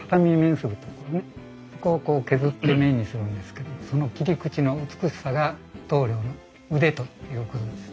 そこをこう削って面にするんですけどその切り口の美しさが棟りょうの腕ということです。